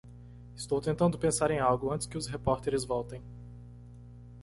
Estou tentando pensar em algo antes que os repórteres voltem.